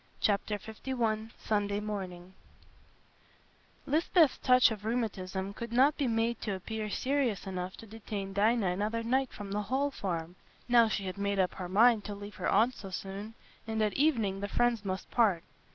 Chapter LI Sunday Morning Lisbeth's touch of rheumatism could not be made to appear serious enough to detain Dinah another night from the Hall Farm, now she had made up her mind to leave her aunt so soon, and at evening the friends must part.